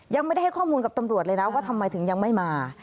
ยังไม่ได้ให้ข้อมูลกับตำรวจเลยนะว่าทำไมถึงยังไม่มา